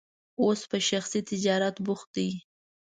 اوس په شخصي تجارت بوخت دی.